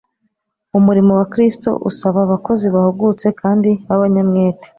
Umurimo wa Kristo usaba abakozi bahugutse kandi b'abanyamwete.